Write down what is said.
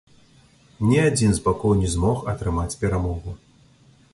Ні адзін з бакоў не змог атрымаць перамогу.